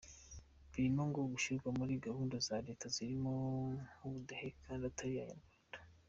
Birimo ngo gushyirwa muri gahunda za leta zirimo nk'ubudehe kandi atari Abanyarwanda.